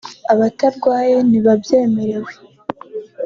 abatarwaye ntibabyemerewe